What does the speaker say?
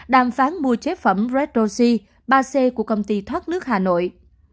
đàm phán mua chế phẩm red roxy ba c của công ty thoát nước hà nội